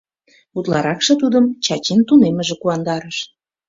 Утларакше тудым Чачин тунеммыже куандарыш.